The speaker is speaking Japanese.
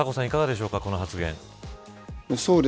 いかがでしょうか、この発言。